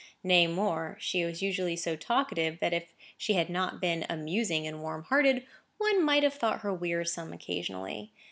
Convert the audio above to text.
Nay more; she was usually so talkative, that if she had not been amusing and warm hearted, one might have thought her wearisome occasionally.